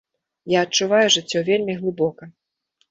Я адчуваю жыццё вельмі глыбока.